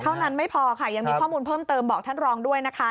เท่านั้นไม่พอค่ะยังมีข้อมูลเพิ่มเติมบอกท่านรองด้วยนะคะ